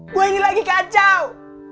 gua ini lagi kacau